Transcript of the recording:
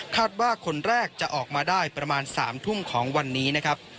ว่าคนแรกจะออกมาได้ประมาณ๓ทุ่มของวันนี้นะครับ